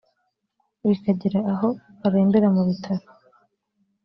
bikagera aho arembera mu bitaro